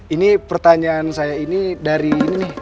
ini pertanyaan saya ini dari ini